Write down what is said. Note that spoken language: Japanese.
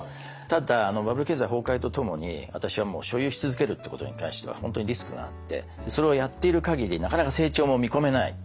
ただバブル経済崩壊とともに私は所有し続けるってことに関しては本当にリスクがあってそれをやっている限りなかなか成長も見込めない。